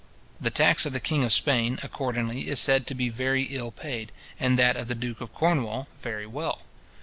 The tax of the king of Spain, accordingly, is said to be very ill paid, and that of the duke of Cornwall very well.